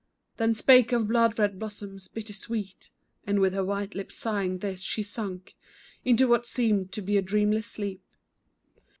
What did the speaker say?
Then spake of blood red blossoms, bitter, sweet, And with her white lips sighing this, she sunk Into what seemed to be a dreamless sleep.